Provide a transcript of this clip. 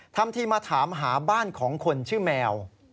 ทำทีมาถามหาบ้านของคนชื่อแมว